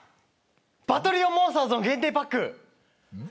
バトリオンモンスターズの限定パック。